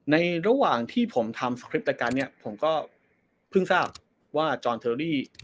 ในระหว่างที่ผมทำสคริปรายการนี้ผมก็เพิ่งทราบว่าจอนเทอรี่